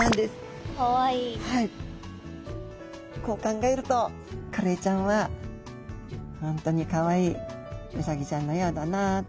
こう考えるとカレイちゃんはほんとにかわいいウサギちゃんのようだなと。